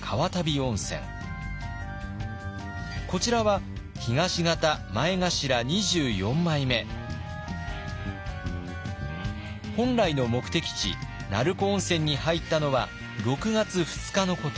こちらは本来の目的地成子温泉に入ったのは６月２日のこと。